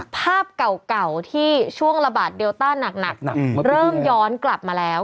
ภาพเก่าที่ช่วงระบาดเดลต้าหนักเริ่มย้อนกลับมาแล้ว